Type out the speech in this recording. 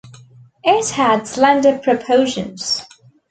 It had slender proportions.